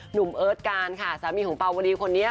เอิร์ทการค่ะสามีของปาวรีคนนี้